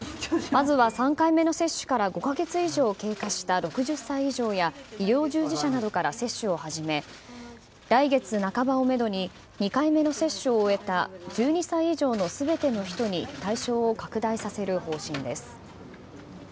まずは３回目の接種から５か月以上経過した６０歳以上や、医療従事者などから接種をはじめ、来月半ばをメドに、２回目の接種を終えた１２歳以上のすべての人に対象を拡大させる方針です。